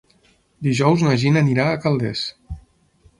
Dijous na Gina anirà a Calders.